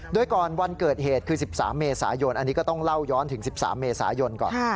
โดยก่อนวันเกิดเหตุคือ๑๓เมษายนอันนี้ก็ต้องเล่าย้อนถึง๑๓เมษายนก่อน